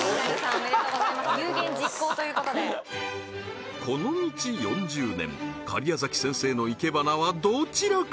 おめでとうございます有言実行ということでこの道４０年假屋崎先生の生け花はどちらか？